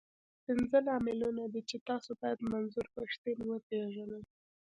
پنځه لاملونه دي، چې تاسو بايد منظور پښتين وپېژنئ.